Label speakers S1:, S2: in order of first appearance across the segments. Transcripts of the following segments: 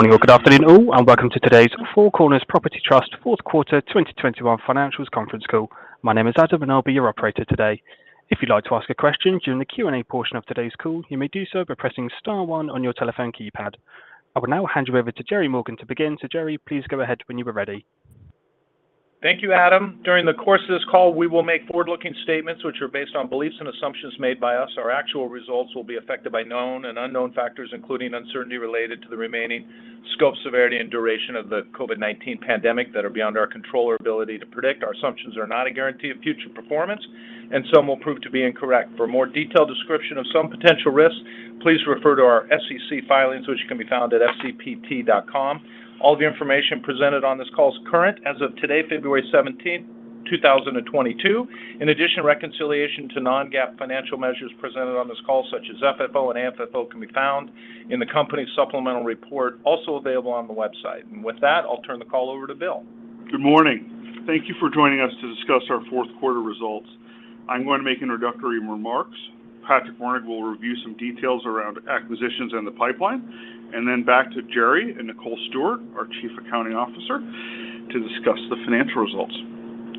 S1: Good morning or good afternoon all, and welcome to today's Four Corners Property Trust fourth quarter 2021 financials conference call. My name is Adam, and I'll be your operator today. If you'd like to ask a question during the Q&A portion of today's call, you may do so by pressing star one on your telephone keypad. I will now hand you over to Gerry Morgan to begin. Gerry, please go ahead when you are ready.
S2: Thank you, Adam. During the course of this call, we will make forward-looking statements which are based on beliefs and assumptions made by us. Our actual results will be affected by known and unknown factors, including uncertainty related to the remaining scope, severity, and duration of the COVID-19 pandemic that are beyond our control or ability to predict. Our assumptions are not a guarantee of future performance, and some will prove to be incorrect. For a more detailed description of some potential risks, please refer to our SEC filings, which can be found at fcpt.com. All the information presented on this call is current as of today, February 17th, 2022. In addition, reconciliation to non-GAAP financial measures presented on this call, such as FFO and AFFO, can be found in the company's supplemental report, also available on the website. With that, I'll turn the call over to Bill.
S3: Good morning. Thank you for joining us to discuss our fourth quarter results. I'm going to make introductory remarks. Patrick Wernig will review some details around acquisitions and the pipeline. Then back to Gerry and Niccole Stewart, our Chief Accounting Officer, to discuss the financial results.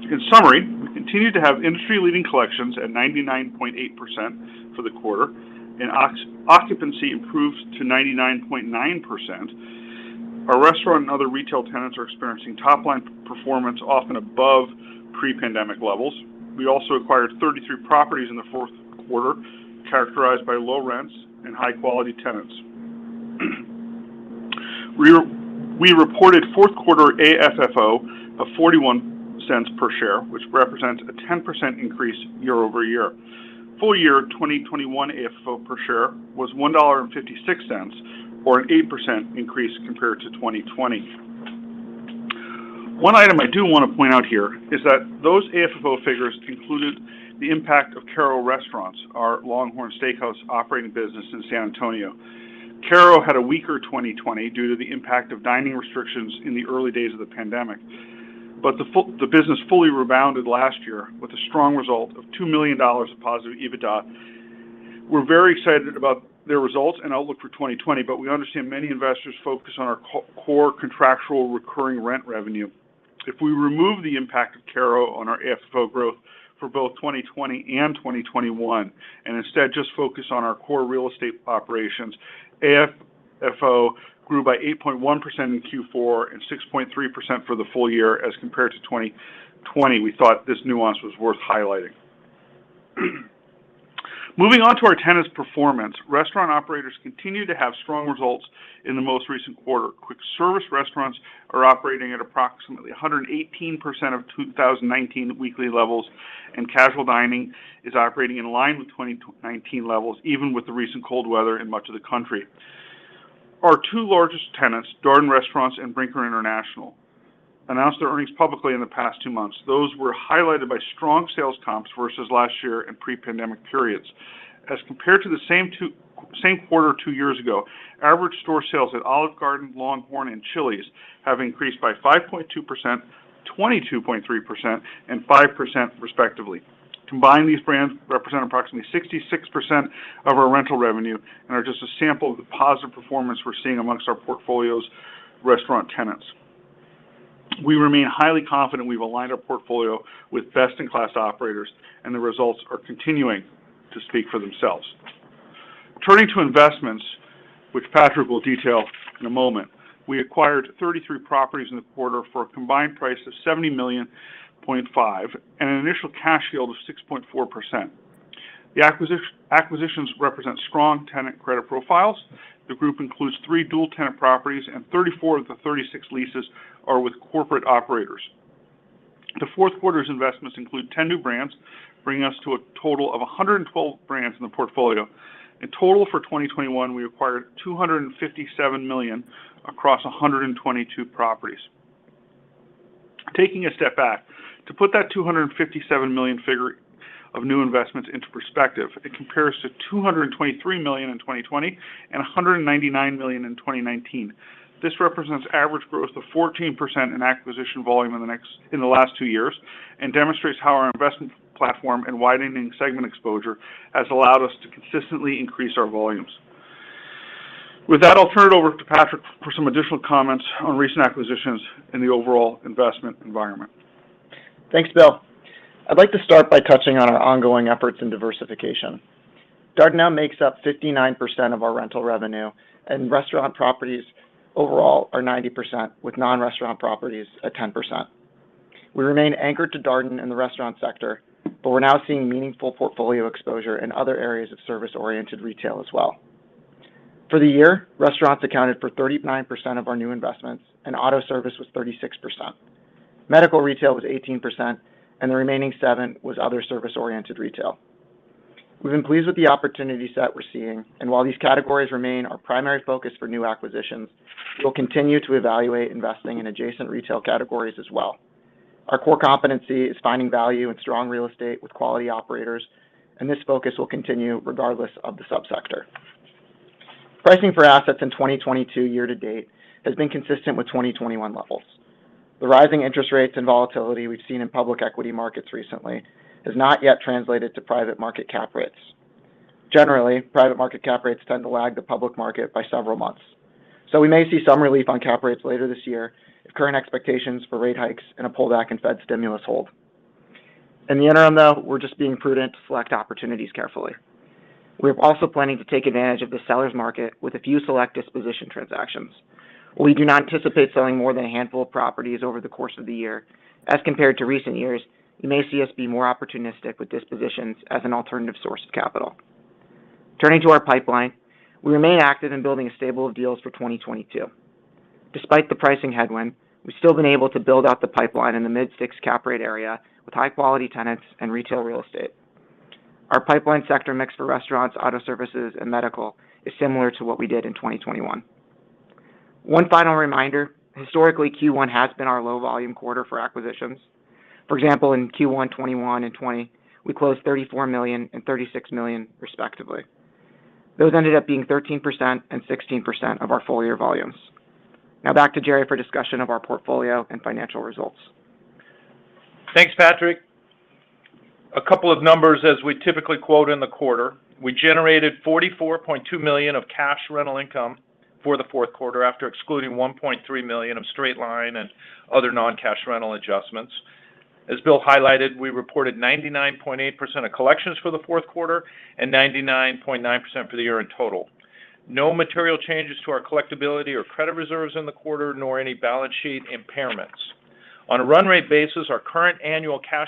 S3: In summary, we continue to have industry-leading collections at 99.8% for the quarter, and occupancy improved to 99.9%. Our restaurant and other retail tenants are experiencing top-line performance often above pre-pandemic levels. We also acquired 33 properties in the fourth quarter, characterized by low rents and high-quality tenants. We reported fourth quarter AFFO of $0.41 per share, which represents a 10% increase year-over-year. Full year 2021 AFFO per share was $1.56, or an 8% increase compared to 2020. One item I do want to point out here is that those AFFO figures included the impact of Kerrow Restaurants, our LongHorn Steakhouse operating business in San Antonio. Kerrow had a weaker 2020 due to the impact of dining restrictions in the early days of the pandemic. The business fully rebounded last year with a strong result of $2 million of positive EBITDA. We're very excited about their results and outlook for 2020, but we understand many investors focus on our core contractual recurring rent revenue. If we remove the impact of Kerrow on our AFFO growth for both 2020 and 2021, and instead just focus on our core real estate operations, AFFO grew by 8.1% in Q4 and 6.3% for the full year as compared to 2020. We thought this nuance was worth highlighting. Moving on to our tenants' performance. Restaurant operators continue to have strong results in the most recent quarter. Quick service restaurants are operating at approximately 118% of 2019 weekly levels, and casual dining is operating in line with 2019 levels, even with the recent cold weather in much of the country. Our two largest tenants, Darden Restaurants and Brinker International, announced their earnings publicly in the past two months. Those were highlighted by strong sales comps versus last year and pre-pandemic periods. As compared to the same quarter two years ago, average store sales at Olive Garden, LongHorn, and Chili's have increased by 5.2%, 22.3%, and 5% respectively. Combined, these brands represent approximately 66% of our rental revenue and are just a sample of the positive performance we're seeing among our portfolio's restaurant tenants. We remain highly confident we've aligned our portfolio with best-in-class operators, and the results are continuing to speak for themselves. Turning to investments, which Patrick will detail in a moment, we acquired 33 properties in the quarter for a combined price of $70.5 million, and an initial cash yield of 6.4%. The acquisitions represent strong tenant credit profiles. The group includes three dual tenant properties, and 34 of the 36 leases are with corporate operators. The fourth quarter's investments include 10 new brands, bringing us to a total of 112 brands in the portfolio. In total for 2021, we acquired $257 million across 122 properties. Taking a step back, to put that $257 million figure of new investments into perspective, it compares to $223 million in 2020 and $199 million in 2019. This represents average growth of 14% in acquisition volume in the last two years and demonstrates how our investment platform and widening segment exposure has allowed us to consistently increase our volumes. With that, I'll turn it over to Patrick for some additional comments on recent acquisitions in the overall investment environment.
S4: Thanks, Bill. I'd like to start by touching on our ongoing efforts in diversification. Darden now makes up 59% of our rental revenue, and restaurant properties overall are 90%, with non-restaurant properties at 10%. We remain anchored to Darden in the restaurant sector, but we're now seeing meaningful portfolio exposure in other areas of service-oriented retail as well. For the year, restaurants accounted for 39% of our new investments, and auto service was 36%. Medical retail was 18%, and the remaining 7% was other service-oriented retail. We've been pleased with the opportunity set we're seeing, and while these categories remain our primary focus for new acquisitions, we'll continue to evaluate investing in adjacent retail categories as well. Our core competency is finding value in strong real estate with quality operators, and this focus will continue regardless of the subsector. Pricing for assets in 2022 year to date has been consistent with 2021 levels. The rising interest rates and volatility we've seen in public equity markets recently has not yet translated to private market cap rates. Generally, private market cap rates tend to lag the public market by several months. We may see some relief on cap rates later this year if current expectations for rate hikes and a pullback in Fed stimulus hold. In the interim, though, we're just being prudent to select opportunities carefully. We're also planning to take advantage of the seller's market with a few select disposition transactions. We do not anticipate selling more than a handful of properties over the course of the year. As compared to recent years, you may see us be more opportunistic with dispositions as an alternative source of capital. Turning to our pipeline, we remain active in building a stable of deals for 2022. Despite the pricing headwind, we've still been able to build out the pipeline in the mid-six cap rate area with high-quality tenants and retail real estate. Our pipeline sector mix for restaurants, auto services, and medical is similar to what we did in 2021. One final reminder, historically, Q1 has been our low volume quarter for acquisitions. For example, in Q1 2021 and 2020, we closed $34 million and $36 million respectively. Those ended up being 13% and 16% of our full-year volumes. Now back to Gerry for discussion of our portfolio and financial results.
S2: Thanks, Patrick. A couple of numbers as we typically quote in the quarter. We generated $44.2 million of cash rental income for the fourth quarter after excluding $1.3 million of straight line and other non-cash rental adjustments. As Bill highlighted, we reported 99.8% of collections for the fourth quarter and 99.9% for the year in total. No material changes to our collectibility or credit reserves in the quarter, nor any balance sheet impairments. On a run rate basis, our current annual cash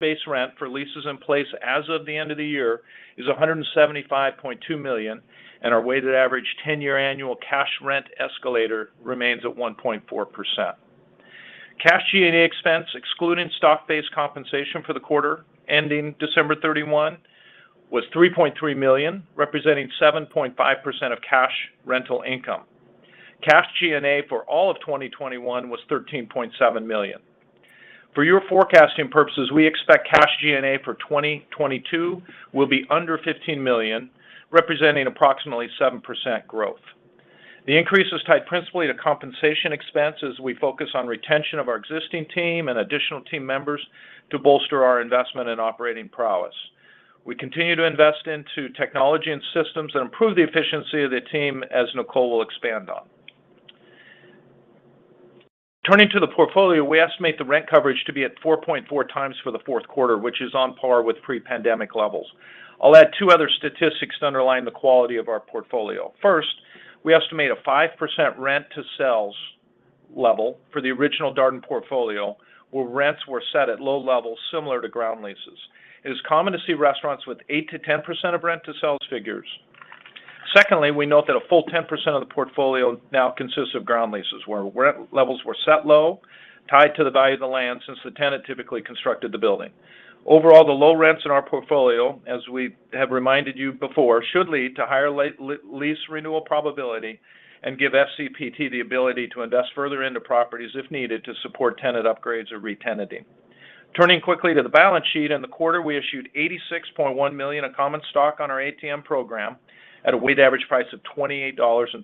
S2: base rent for leases in place as of the end of the year is $175.2 million, and our weighted average 10-year annual cash rent escalator remains at 1.4%. Cash G&A expense, excluding stock-based compensation for the quarter ending December 31, was $3.3 million, representing 7.5% of cash rental income. Cash G&A for all of 2021 was $13.7 million. For your forecasting purposes, we expect cash G&A for 2022 will be under $15 million, representing approximately 7% growth. The increase is tied principally to compensation expense as we focus on retention of our existing team and additional team members to bolster our investment and operating prowess. We continue to invest into technology and systems that improve the efficiency of the team, as Niccole will expand on. Turning to the portfolio, we estimate the rent coverage to be at 4.4 times for the fourth quarter, which is on par with pre-pandemic levels. I'll add two other statistics to underline the quality of our portfolio. First, we estimate a 5% rent to sales level for the original Darden portfolio, where rents were set at low levels similar to ground leases. It is common to see restaurants with 8%-10% of rent to sales figures. Secondly, we note that a full 10% of the portfolio now consists of ground leases, where rent levels were set low, tied to the value of the land since the tenant typically constructed the building. Overall, the low rents in our portfolio, as we have reminded you before, should lead to higher lease renewal probability and give FCPT the ability to invest further into properties if needed to support tenant upgrades or re-tenanting. Turning quickly to the balance sheet, in the quarter we issued $86.1 million of common stock on our ATM program at a weighted average price of $28.36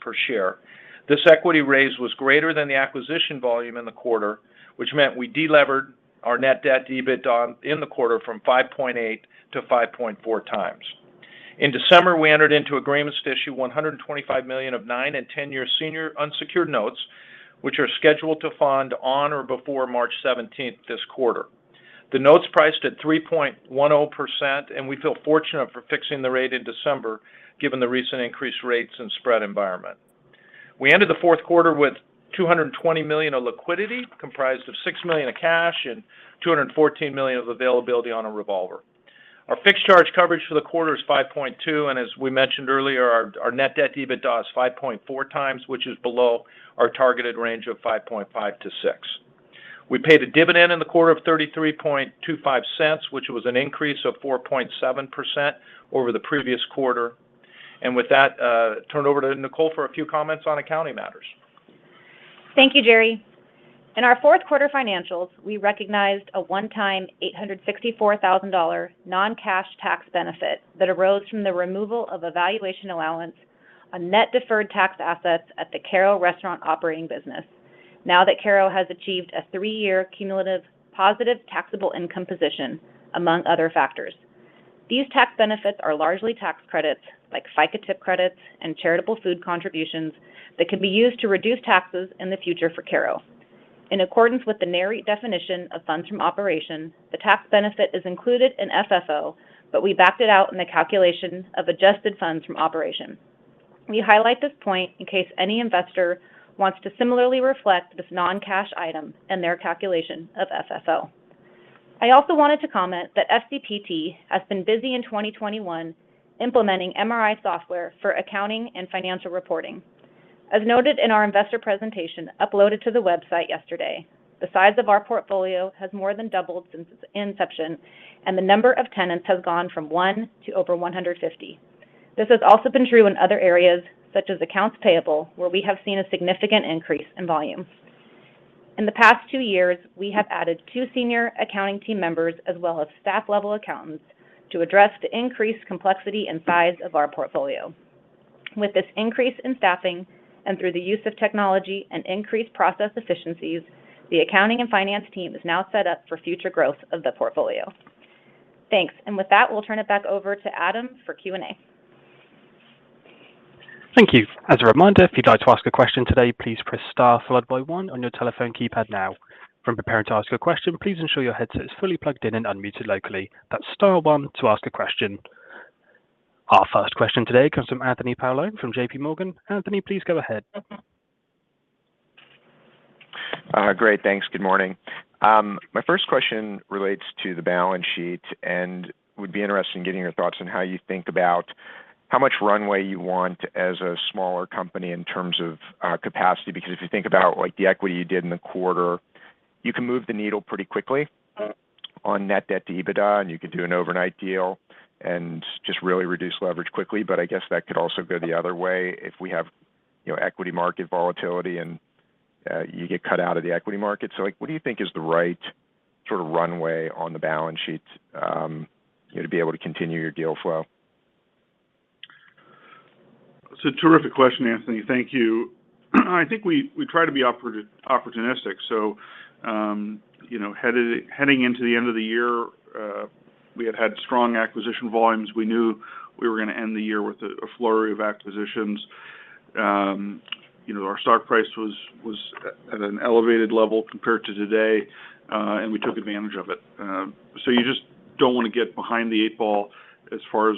S2: per share. This equity raise was greater than the acquisition volume in the quarter, which meant we delevered our net debt to EBITDA in the quarter from 5.8 to 5.4x. In December, we entered into agreements to issue $125 million of nine- and 10-year senior unsecured notes, which are scheduled to fund on or before March 17th this quarter. The notes priced at 3.10%, and we feel fortunate for fixing the rate in December, given the recent increased rates and spread environment. We ended the fourth quarter with $220 million of liquidity, comprised of $6 million of cash and $214 million of availability on a revolver. Our fixed charge coverage for the quarter is 5.2, and as we mentioned earlier, our net debt to EBITDA is 5.4x, which is below our targeted range of 5.5-6. We paid a dividend in the quarter of $0.3325, which was an increase of 4.7% over the previous quarter. With that, turn it over to Niccole for a few comments on accounting matters.
S5: Thank you, Gerry. In our fourth quarter financials, we recognized a one-time $864,000 non-cash tax benefit that arose from the removal of a valuation allowance on net deferred tax assets at the Kerrow Restaurant operating business, now that Kerrow has achieved a three-year cumulative positive taxable income position, among other factors. These tax benefits are largely tax credits, like FICA tip credits and charitable food contributions, that can be used to reduce taxes in the future for Kerrow. In accordance with the Nareit definition of funds from operations, the tax benefit is included in FFO, but we backed it out in the calculation of adjusted funds from operations. We highlight this point in case any investor wants to similarly reflect this non-cash item in their calculation of FFO. I also wanted to comment that FCPT has been busy in 2021 implementing MRI Software for accounting and financial reporting. As noted in our investor presentation uploaded to the website yesterday, the size of our portfolio has more than doubled since its inception, and the number of tenants has gone from one to over 150. This has also been true in other areas, such as accounts payable, where we have seen a significant increase in volume. In the past two years, we have added two senior accounting team members as well as staff-level accountants to address the increased complexity and size of our portfolio. With this increase in staffing and through the use of technology and increased process efficiencies, the accounting and finance team is now set up for future growth of the portfolio. Thanks. With that, we'll turn it back over to Adam for Q&A.
S1: Thank you. As a reminder, if you'd like to ask a question today, please press star followed by one on your telephone keypad now. If you're preparing to ask a question, please ensure your headset is fully plugged in and unmuted locally. That's star one to ask a question. Our first question today comes from Anthony Paolone from JPMorgan. Anthony, please go ahead.
S6: Great. Thanks. Good morning. My first question relates to the balance sheet and I would be interested in getting your thoughts on how you think about how much runway you want as a smaller company in terms of capacity. Because if you think about, like, the equity you did in the quarter, you can move the needle pretty quickly on net debt to EBITDA, and you could do an overnight deal and just really reduce leverage quickly. I guess that could also go the other way if we have, you know, equity market volatility and you get cut out of the equity market. Like, what do you think is the right sort of runway on the balance sheet, you know, to be able to continue your deal flow?
S3: It's a terrific question, Anthony. Thank you. I think we try to be opportunistic. You know, heading into the end of the year, we had strong acquisition volumes. We knew we were gonna end the year with a flurry of acquisitions. You know, our stock price was at an elevated level compared to today, and we took advantage of it. You just don't wanna get behind the eight ball as far as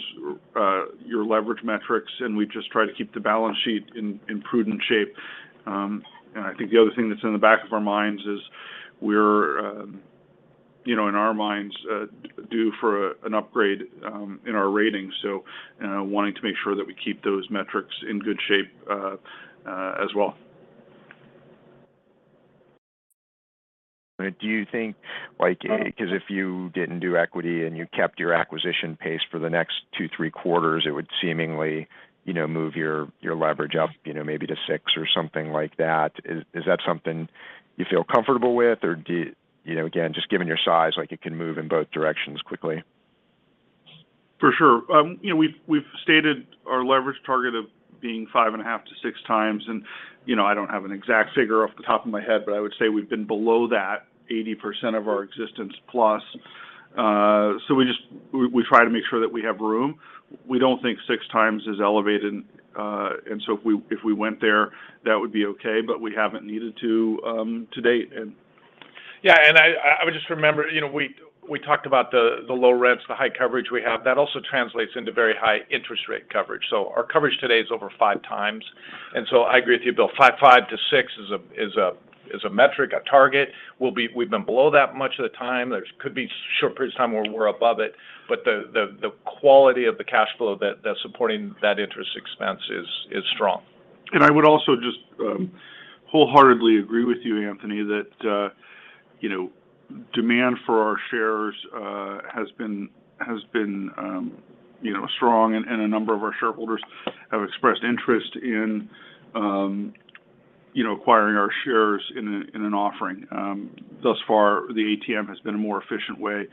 S3: your leverage metrics, and we just try to keep the balance sheet in prudent shape. I think the other thing that's in the back of our minds is we're in our minds due for an upgrade in our ratings, so wanting to make sure that we keep those metrics in good shape as well.
S6: Do you think, like
S3: Uh-
S6: 'Cause if you didn't do equity and you kept your acquisition pace for the next two, three quarters, it would seemingly, you know, move your leverage up, you know, maybe to six or something like that. Is that something you feel comfortable with or do you you know, again, just given your size, like, it can move in both directions quickly.
S3: For sure. You know, we've stated our leverage target of being 5.5-6x. You know, I don't have an exact figure off the top of my head, but I would say we've been below that 80% of our existence plus. We try to make sure that we have room. We don't think 6x is elevated. If we went there, that would be okay, but we haven't needed to date.
S2: Yeah. I would just remember, you know, we talked about the low rents, the high coverage we have. That also translates into very high interest rate coverage. Our coverage today is over five times. I agree with you, Bill. Five to six is a metric, a target. We've been below that much of the time. There could be short periods of time where we're above it, but the quality of the cash flow that's supporting that interest expense is strong.
S3: I would also just wholeheartedly agree with you, Anthony, that you know, demand for our shares has been you know, strong, and a number of our shareholders have expressed interest in you know, acquiring our shares in an offering. Thus far, the ATM has been a more efficient way,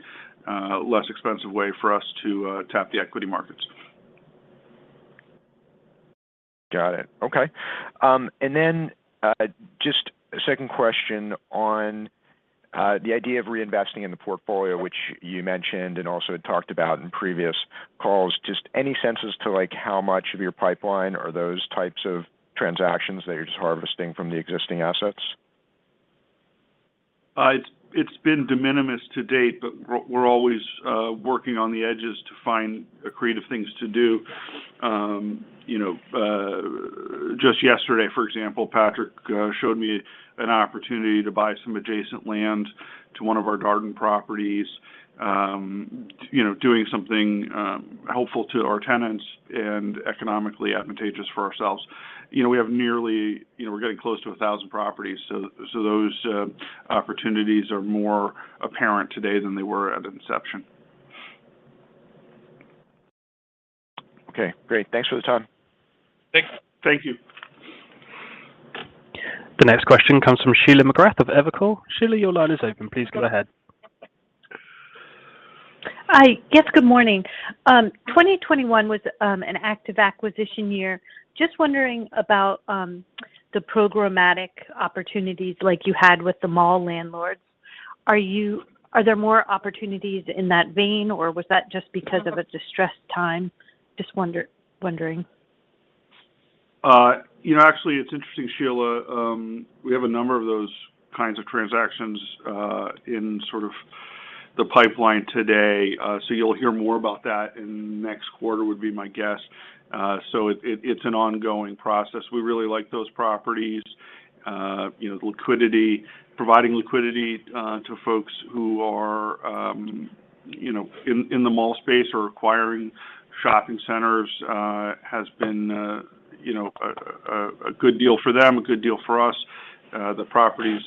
S3: less expensive way for us to tap the equity markets.
S6: Got it. Okay. Just a second question on the idea of reinvesting in the portfolio, which you mentioned and also had talked about in previous calls. Just any sense as to, like, how much of your pipeline are those types of transactions that you're just harvesting from the existing assets?
S3: It's been de minimis to date, but we're always working on the edges to find creative things to do. You know, just yesterday, for example, Patrick showed me an opportunity to buy some adjacent land to one of our Olive Garden properties, you know, doing something helpful to our tenants and economically advantageous for ourselves. You know, we have nearly 1,000 properties, so those opportunities are more apparent today than they were at inception.
S6: Okay, great. Thanks for the time.
S2: Thanks.
S3: Thank you.
S1: The next question comes from Sheila McGrath of Evercore. Sheila, your line is open. Please go ahead.
S7: Hi. Yes, good morning. 2021 was an active acquisition year. Just wondering about the programmatic opportunities like you had with the mall landlords. Are there more opportunities in that vein, or was that just because of a distressed time? Just wondering.
S3: You know, actually it's interesting, Sheila. We have a number of those kinds of transactions in sort of the pipeline today. So you'll hear more about that in next quarter, would be my guess. It's an ongoing process. We really like those properties. You know, liquidity, providing liquidity to folks who are, you know, in the mall space or acquiring shopping centers has been, you know, a good deal for them, a good deal for us. The properties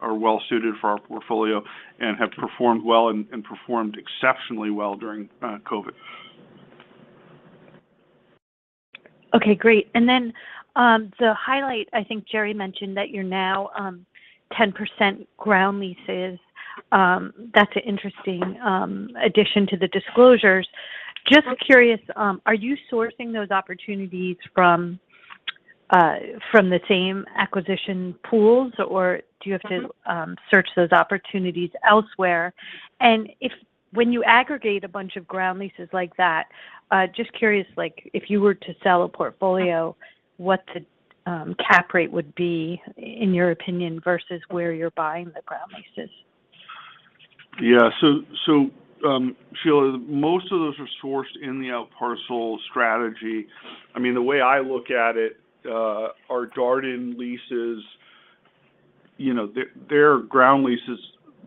S3: are well suited for our portfolio and have performed well and performed exceptionally well during COVID.
S7: Okay, great. To highlight, I think Gerry mentioned that you're now 10% ground leases. That's an interesting addition to the disclosures.
S3: Okay.
S7: Just curious, are you sourcing those opportunities from the same acquisition pools or do you have to?
S3: Mm-hmm
S7: Search those opportunities elsewhere? If when you aggregate a bunch of ground leases like that, just curious, like if you were to sell a portfolio, what the cap rate would be in your opinion versus where you're buying the ground leases?
S3: Yeah. Sheila, most of those are sourced in the out parcel strategy. I mean, the way I look at it, our Darden leases, you know, they're ground leases,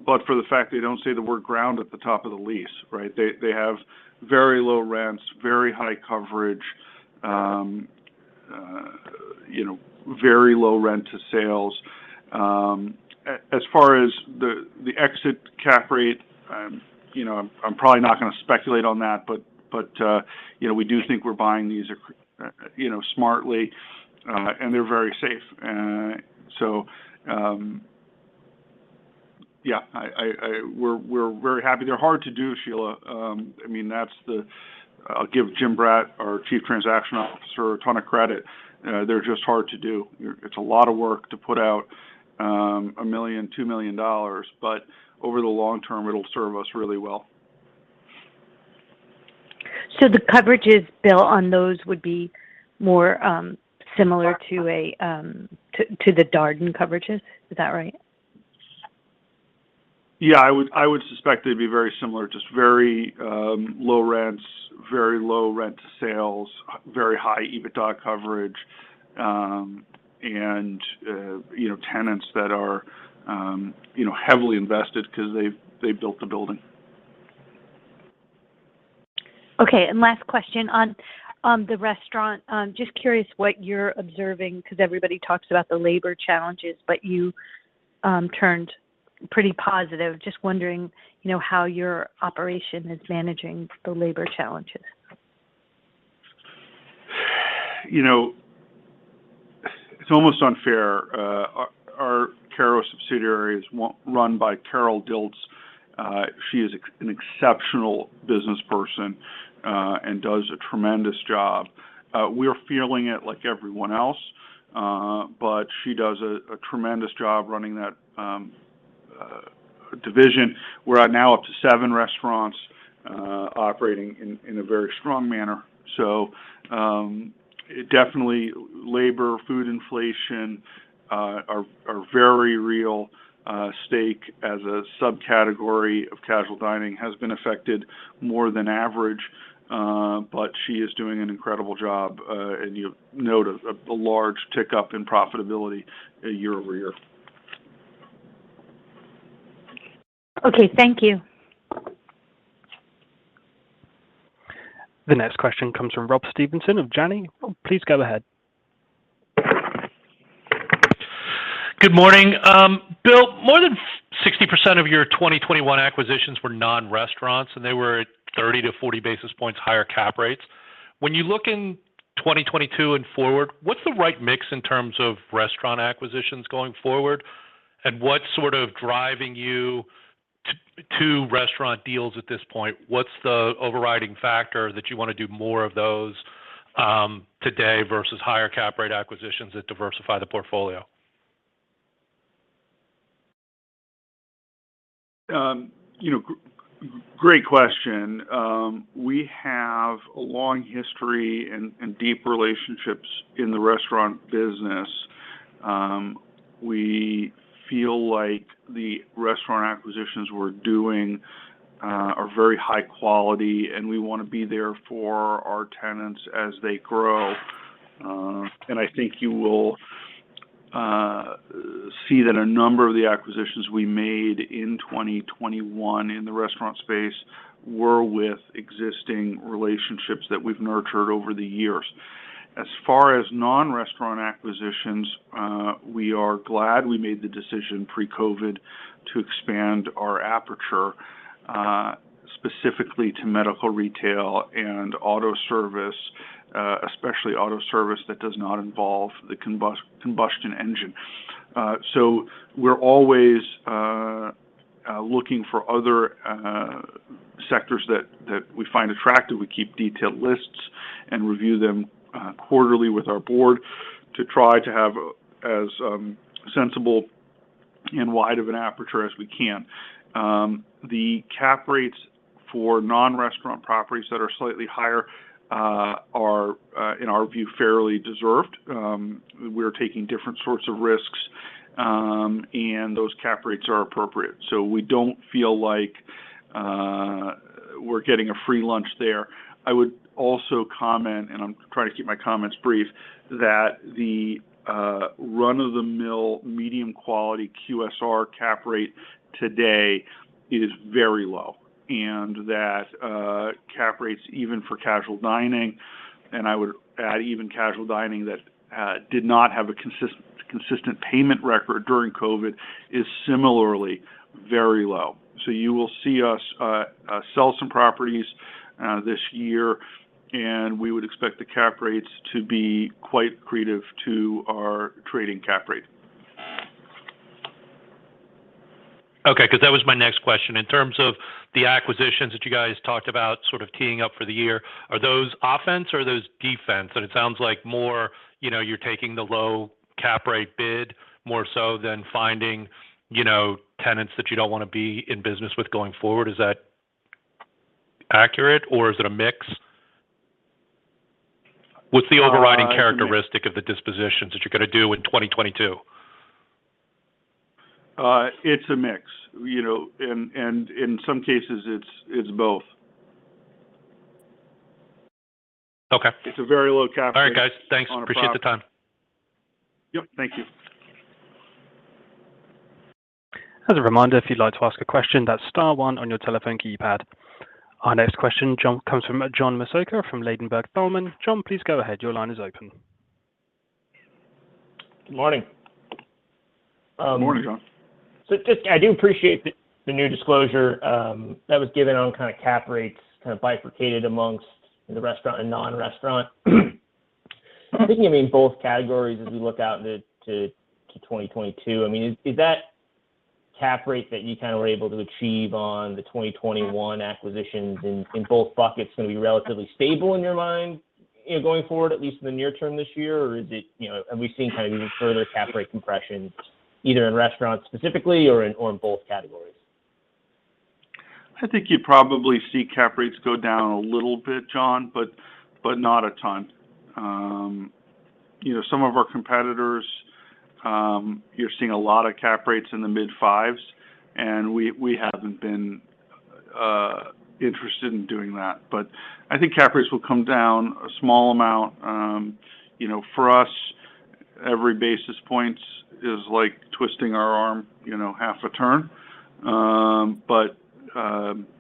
S3: but for the fact they don't say the word ground at the top of the lease, right? They have very low rents, very high coverage, you know, very low rent to sales. As far as the exit cap rate, you know, I'm probably not gonna speculate on that, but you know, we do think we're buying these you know, smartly, and they're very safe. We're very happy. They're hard to do, Sheila. I mean, I'll give Jim Brat, our Chief Transaction Officer, a ton of credit. They're just hard to do. It's a lot of work to put out $1 million-$2 million, but over the long-term, it'll serve us really well.
S7: The coverages, Bill, on those would be more similar to the Darden coverages. Is that right?
S3: I would suspect it'd be very similar. Just very low rents, very low rent to sales, very high EBITDA coverage, and you know, tenants that are you know, heavily invested 'cause they've built the building.
S7: Okay. Last question on the restaurant. Just curious what you're observing, 'cause everybody talks about the labor challenges, but you turned pretty positive. Just wondering, you know, how your operation is managing the labor challenges.
S3: You know, it's almost unfair. Our Kerrow subsidiary is run by Carol Dilts. She is an exceptional businessperson and does a tremendous job. We are feeling it like everyone else, but she does a tremendous job running that division. We're now up to seven restaurants operating in a very strong manner. Definitely labor, food inflation are very real. Steak as a subcategory of casual dining has been affected more than average, but she is doing an incredible job. You'll note a large tick up in profitability year-over-year.
S7: Okay. Thank you.
S1: The next question comes from Rob Stevenson of Janney. Rob, please go ahead.
S8: Good morning. Bill, more than 60% of your 2021 acquisitions were non-restaurants, and they were at 30-40 basis points higher cap rates. When you look in 2022 and forward, what's the right mix in terms of restaurant acquisitions going forward? What's sort of driving you to restaurant deals at this point? What's the overriding factor that you wanna do more of those today versus higher cap rate acquisitions that diversify the portfolio?
S3: Great question. We have a long history and deep relationships in the restaurant business. We feel like the restaurant acquisitions we're doing are very high quality, and we wanna be there for our tenants as they grow. I think you will see that a number of the acquisitions we made in 2021 in the restaurant space were with existing relationships that we've nurtured over the years. As far as non-restaurant acquisitions, we are glad we made the decision pre-COVID to expand our aperture, specifically to medical retail and auto service, especially auto service that does not involve the combustion engine. We're always looking for other sectors that we find attractive. We keep detailed lists and review them quarterly with our board to try to have as sensible and wide of an aperture as we can. The cap rates for non-restaurant properties that are slightly higher are in our view fairly deserved. We're taking different sorts of risks and those cap rates are appropriate. We don't feel like we're getting a free lunch there. I would also comment, and I'm trying to keep my comments brief, that the run-of-the-mill medium quality QSR cap rate today is very low, and that cap rates even for casual dining, and I would add even casual dining that did not have a consistent payment record during COVID, is similarly very low. You will see us sell some properties this year, and we would expect the cap rates to be quite accretive to our trading cap rate.
S8: Okay, 'cause that was my next question. In terms of the acquisitions that you guys talked about sort of teeing up for the year, are those offense or are those defense? It sounds like more, you know, you're taking the low cap rate bid more so than finding, you know, tenants that you don't wanna be in business with going forward. Is that accurate, or is it a mix?
S3: Uh-
S8: What's the overriding characteristic of the dispositions that you're gonna do in 2022?
S3: It's a mix. You know, and in some cases, it's both.
S8: Okay.
S3: It's a very low cap rate.
S8: All right, guys. Thanks
S3: on a property.
S8: Appreciate the time.
S3: Yep, thank you.
S1: As a reminder, if you'd like to ask a question, that's star one on your telephone keypad. Our next question comes from John Massocca from Ladenburg Thalmann. John, please go ahead. Your line is open.
S9: Good morning.
S3: Morning, John.
S9: I do appreciate the new disclosure that was given on kinda cap rates kind of bifurcated amongst the restaurant and non-restaurant. Thinking of maybe both categories as we look out to 2022, I mean, is that cap rate that you kinda were able to achieve on the 2021 acquisitions in both buckets gonna be relatively stable in your mind, you know, going forward, at least in the near-term this year? Or is it? You know, have we seen kind of even further cap rate compression either in restaurants specifically or in both categories?
S3: I think you probably see cap rates go down a little bit, John, but not a ton. You know, some of our competitors, you're seeing a lot of cap rates in the mid fives, and we haven't been interested in doing that. I think cap rates will come down a small amount. You know, for us, every basis points is like twisting our arm, you know, half a turn.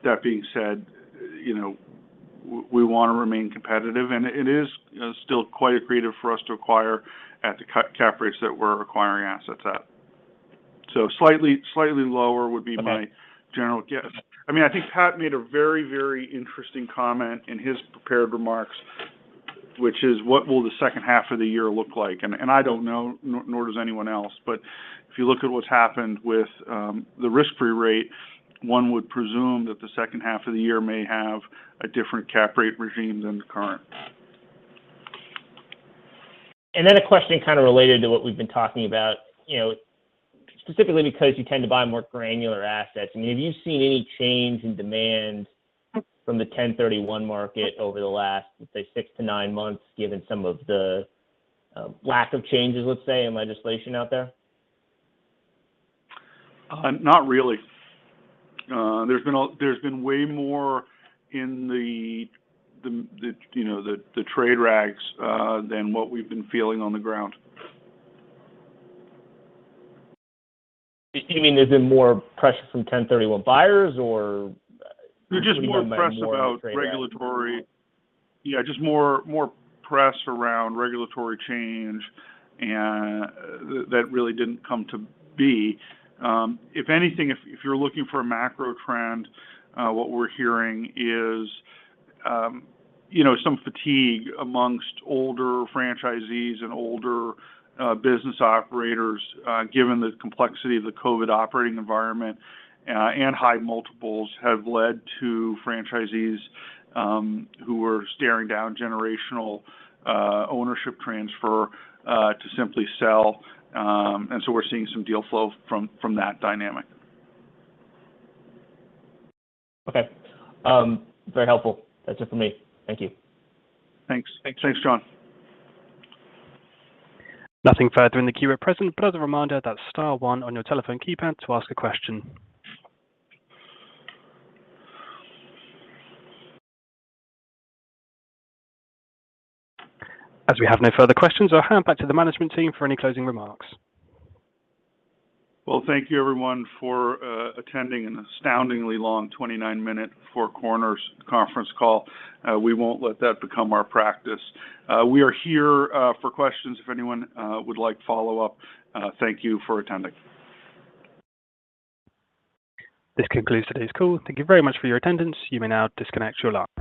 S3: That being said, you know, we wanna remain competitive, and it is still quite accretive for us to acquire at the cap rates that we're acquiring assets at. Slightly lower would be.
S9: Okay
S3: My general guess. I mean, I think Pat made a very, very interesting comment in his prepared remarks, which is what will the second half of the year look like? I don't know nor does anyone else. If you look at what's happened with the risk-free rate, one would presume that the second half of the year may have a different cap rate regime than the current.
S9: A question kind of related to what we've been talking about, you know, specifically because you tend to buy more granular assets. I mean, have you seen any change in demand from the 1031 market over the last, say, six to nine months, given some of the lack of changes, let's say, in legislation out there?
S3: Not really. There's been way more in the you know the trade rags than what we've been feeling on the ground.
S9: You mean there's been more pressure from 1031 buyers, or maybe more meant more in the trade rag?
S3: They're just more pressed about regulatory. Yeah, just more press around regulatory change and that really didn't come to be. If anything, if you're looking for a macro trend, what we're hearing is you know, some fatigue among older franchisees and older business operators, given the complexity of the COVID operating environment, and high multiples have led to franchisees who were staring down generational ownership transfer to simply sell. We're seeing some deal flow from that dynamic.
S9: Okay. Very helpful. That's it for me. Thank you.
S3: Thanks. Thanks, John.
S1: Nothing further in the queue at present, but as a reminder, that's star one on your telephone keypad to ask a question. As we have no further questions, I'll hand back to the management team for any closing remarks.
S3: Well, thank you everyone for attending an astoundingly long 29-minute Four Corners conference call. We won't let that become our practice. We are here for questions if anyone would like follow-up. Thank you for attending.
S1: This concludes today's call. Thank you very much for your attendance. You may now disconnect your line.